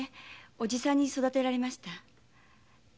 伯父さんに育てられました。